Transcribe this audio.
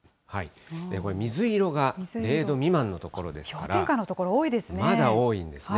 これ、水色が０度未満の所ですか氷点下の所、多いですね。